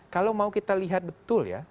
kalau mau kita lihat betul ya